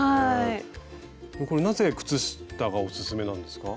これなぜ靴下がおすすめなんですか？